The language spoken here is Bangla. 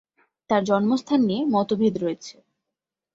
তার জন্মস্থান নিয়ে মতভেদ রয়েছে।